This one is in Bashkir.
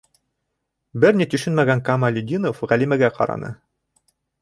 Бер ни төшөнмәгән Камалетдинов Ғәлимәгә ҡараны: